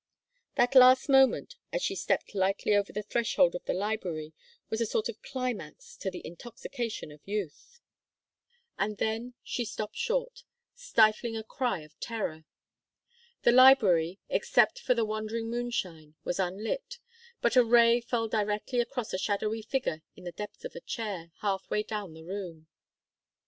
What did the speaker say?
That last moment, as she stepped lightly over the threshold of the library, was a sort of climax to the intoxication of youth. And then she stopped short, stifling a cry of terror. The library, except for the wandering moonshine, was unlit, but a ray fell directly across a shadowy figure in the depths of a chair, half way down the room.